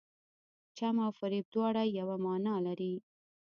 چم او فریب دواړه یوه معنی لري.